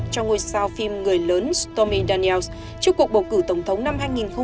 cho ngôi sao phim người lớn stomin dannels trước cuộc bầu cử tổng thống năm hai nghìn một mươi sáu